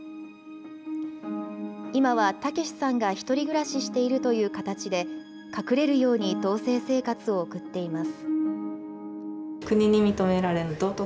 今はタケシさんが１人暮らししているという形で、隠れるように同せい生活を送っています。